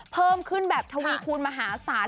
เพิ่มขึ้นแบบทวีคูณมหาศาล